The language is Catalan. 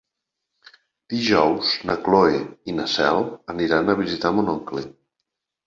Dijous na Cloè i na Cel aniran a visitar mon oncle.